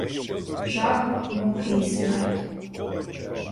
Жах, муки й смерть!